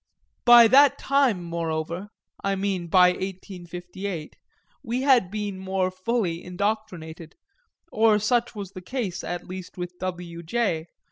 By that time moreover I mean by 1858 we had been more fully indoctrinated, or such was the case at least with W. J.